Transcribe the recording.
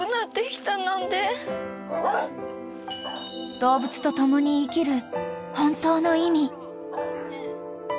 ［動物と共に生きる本当の意味］